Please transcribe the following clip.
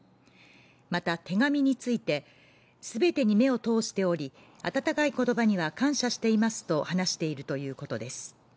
また手紙について全てに目を通しており、温かい言葉には感謝していますと話しているということです。